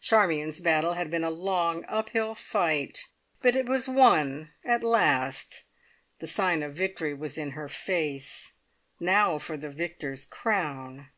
Charmion's battle had been a long, up hill fight, but it was won at last. The sign of victory was in her face. Now for the victor's crown!